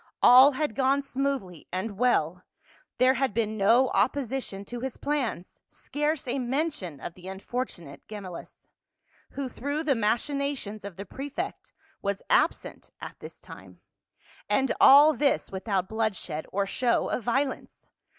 All had gone smoothly and well ; there had been no opposition to his plans, scarce a mention of the unfortunate Gemel 110 PAUL. lus, who, through the machinations of the prefect, was absent at this time. And all this without bloodshed or show of violence.